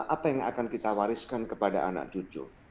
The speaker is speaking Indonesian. apa yang akan kita wariskan kepada anak cucu